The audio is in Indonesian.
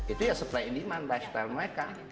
itu ya sepah indiman lifestyle mereka